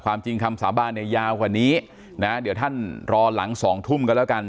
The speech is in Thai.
จริงคำสาบานเนี่ยยาวกว่านี้นะเดี๋ยวท่านรอหลัง๒ทุ่มกันแล้วกัน